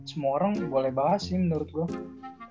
semua orang boleh bahas ini menurut gue